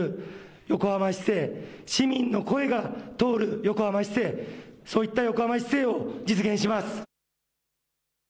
横浜市政、市民の声が通る横浜市政そういった横浜市政を実現します。